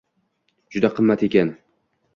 Juda qimmat ekan.